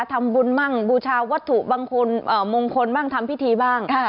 ทำบุญบ้างบูชาวัตถุบางคนมงคลบ้างทำพิธีบ้าง